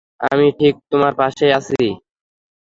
আমি ঠিক তোমার পাশেই আছি।